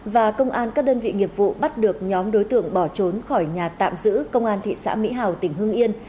và công an các đơn vị nghiệp vụ bắt được nhóm đối tượng bỏ trốn khỏi nhà tạm giữ công an thị xã mỹ hào tỉnh hưng yên